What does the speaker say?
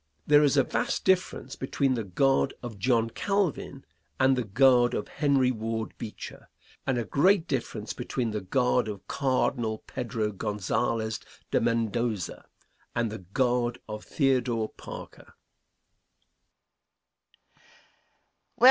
There is a vast difference between the God of John Calvin and the God of Henry Ward Beecher, and a great difference between the God of Cardinal Pedro Gonzales de Mendoza and the God of Theodore Parker.